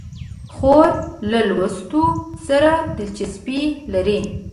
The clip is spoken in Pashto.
خور له لوستو سره دلچسپي لري.